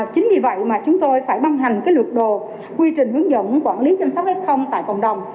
chính vì vậy mà chúng tôi phải băng hành lược đồ quy trình hướng dẫn quản lý chăm sóc f tại cộng đồng